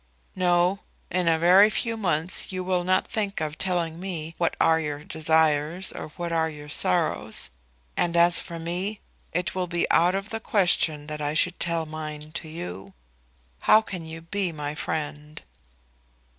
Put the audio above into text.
"No. In a very few months you will not think of telling me what are your desires or what your sorrows; and as for me, it will be out of the question that I should tell mine to you. How can you be my friend?"